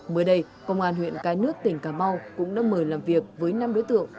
mới đây công an huyện cái nước tỉnh cà mau cũng đã mời làm việc với năm đối tượng